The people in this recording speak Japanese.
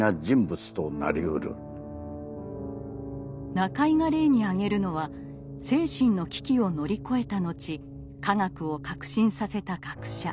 中井が例に挙げるのは精神の危機を乗り越えた後科学を革新させた学者。